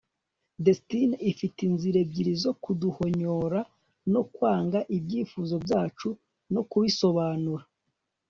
destiny ifite inzira ebyiri zo kuduhonyora - mu kwanga ibyifuzo byacu no kubisohoza